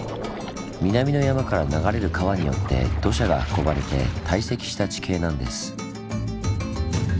南の山から流れる川によって土砂が運ばれて堆積した地形なんです。